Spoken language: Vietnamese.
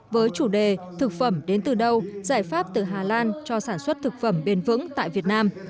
với chủ đề thực phẩm đến từ đâu giải pháp từ hà lan cho sản xuất thực phẩm bền vững tại việt nam